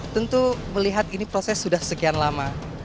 tentu melihat ini proses sudah sekian lama